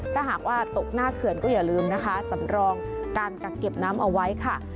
ถ้าหากว่าตกหน้าเขื่อนก็อย่าลืมนะคะสำรองการกักเก็บน้ำเอาไว้ค่ะ